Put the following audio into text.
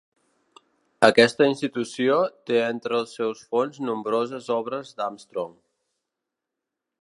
Aquesta institució té entre els seus fons nombroses obres d'Armstrong.